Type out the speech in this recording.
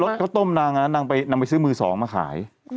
ข้าวต้มนางนะนางไปซื้อมือสองมาขาย